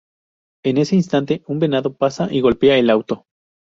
En ese instante, un venado pasa y golpea el auto.